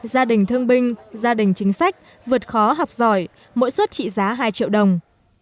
gia đình thương binh gia đình chính sách vượt khó học giỏi mỗi suất trị giá hai triệu đồng